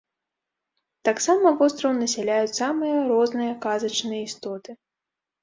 Таксама востраў насяляюць самыя розныя казачныя істоты.